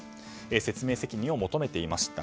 説明責任を求めていました。